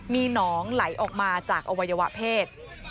มีหนองไหลออกมาจากอวัยวะเพศ